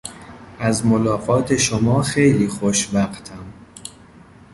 از ملاقات شما خیلی خوشوقتم.